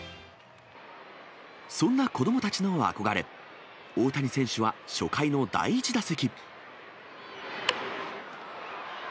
そんな子どもたちの憧れ、大谷選手は初回の第１打席。